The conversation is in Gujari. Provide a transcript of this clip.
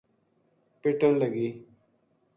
پِٹن لگی